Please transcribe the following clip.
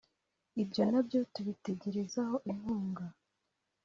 ibyo na byo tubitegerezaho inkunga